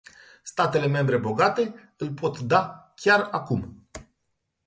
Statele membre bogate îl pot da chiar acum.